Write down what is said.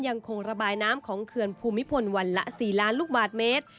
ยังคงระบายน้ำของเขื่อนภูมิพลวันละ๔ล้านลูกบาทเมตร